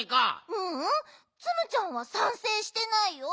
ううんツムちゃんはさんせいしてないよ。